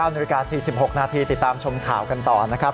นาฬิกา๔๖นาทีติดตามชมข่าวกันต่อนะครับ